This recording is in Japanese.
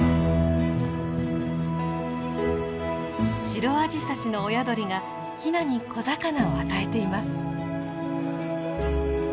シロアジサシの親鳥がヒナに小魚を与えています。